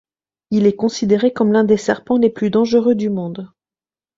Il est considéré comme l'un des serpents les plus dangereux du monde.